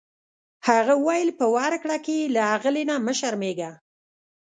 هغه وویل په ورکړه کې یې له اغلې نه مه شرمیږه.